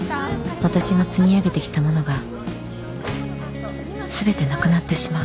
私が積み上げてきたものが全てなくなってしまう